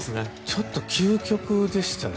ちょっと究極ですよね。